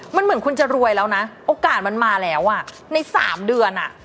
มันเหมือนคุณจะรวยแล้วนะโอกาสมันมาแล้วอ่ะใน๓เดือน